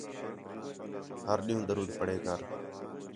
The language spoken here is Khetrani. ہر دِھن درود پڑھے کر